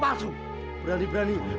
aku sudah berhenti